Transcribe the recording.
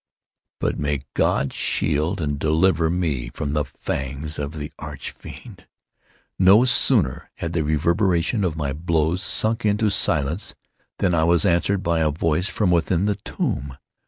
But may God shield and deliver me from the fangs of the Arch Fiend! No sooner had the reverberation of my blows sunk into silence, than I was answered by a voice from within the tomb!